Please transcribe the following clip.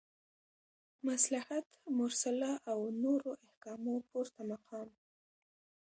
مصلحت مرسله او نورو احکامو پورته مقام